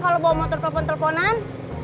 kalau bawa motor telepon teleponan